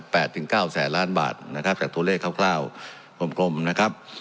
ถึงเก้าแสนล้านบาทนะครับจากตัวเลขคร่าวกลมกลมนะครับ